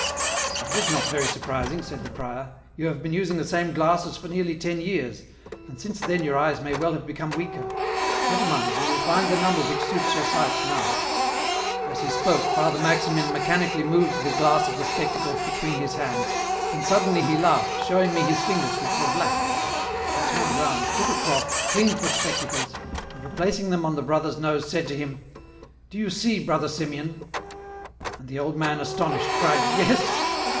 "' That is not very surprising,' said the prior, ' you have been using the same glasses for nearly ten years, and since then your eyes may well have become weaker ; never mind, we will find the number which suits your sight now.' " As he spoke, Father Maximin mechanically moved the glass of the spectacles between his hands, and suddenly he laughed, showing me his fingers, which were black. He turned round, took a cloth, cleaned the spectacles, and replacing them on the brother's nose, said to him, * Do you see. Brother Simeon ?'" And the old man, astonished, cried ' Yes